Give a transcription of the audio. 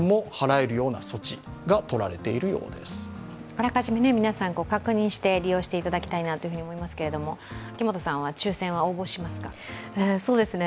あらかじめ皆さんご確認して利用していただきたいなと思いますけれども秋元さんは抽選は応募しますか？